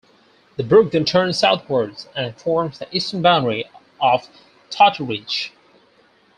The brook then turns southwards and forms the eastern boundary of Totteridge.